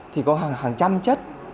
thì có hàng trăm chất